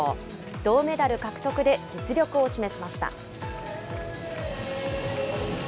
銅メダル獲得で実力を示しました。